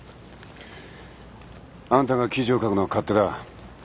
あんたが記事を書くのは勝手だ。